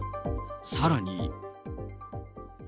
さらに。